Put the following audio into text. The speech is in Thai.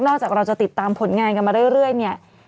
จากเราจะติดตามผลงานกันมาเรื่อยเนี่ย